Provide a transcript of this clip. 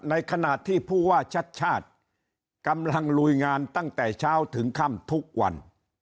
ในขณะที่ผู้ว่าชัดชาติกำลังลุยงานตั้งแต่เช้าถึงค่ำทุกวัน